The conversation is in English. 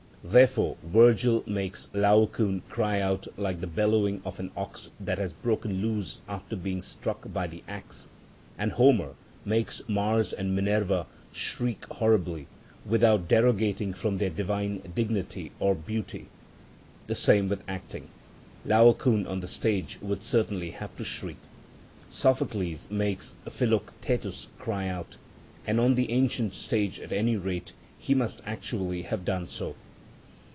Therefore Virgil makes Laocoon cry out like the bellowing of an ox that has broken loose after being struck by the axe; and Homer (Il. xx. 48 53) makes Mars and Minerva shriek horribly, without derogating from their divine dignity or beauty. The same with acting; Laocoon on the stage would certainly have to shriek. Sophocles makes Philoctetus cry out, and, on the ancient stage at any rate, he must actually have done so.